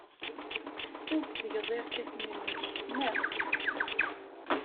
Tessazedgeḍ irkasen-nnek, naɣ?